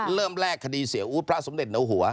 เริ่มแรกคดีเสียอู๊ดพระสมเด็จเหนือหัว